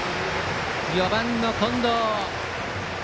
４番の近藤。